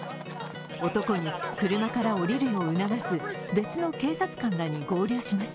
男に車から降りるよう促す別の警察官らに合流します。